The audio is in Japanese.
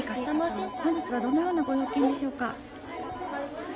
本日はどのようなご用件でしょうか？